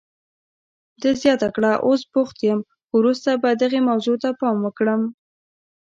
ده زیاته کړه، اوس بوخت یم، خو وروسته به دغې موضوع ته پام وکړم.